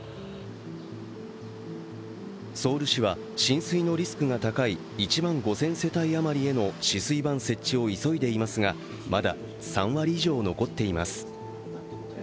ソウル市は、浸水のリスクが高い１万５０００世帯余りへの止水板設置を急いでいますが、まだ３割以上残っています。